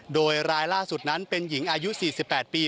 โดยรายล่าสุดนั้นเป็นหญิงอายุ๔๘ปี